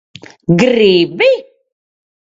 Gribi?